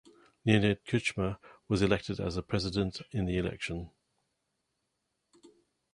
Leonid Kuchma was elected as the President in the election.